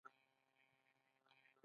هر حیوان خپله ژبه لري